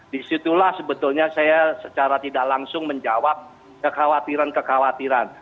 disitulah sebetulnya saya secara tidak langsung menjawab kekhawatiran kekhawatiran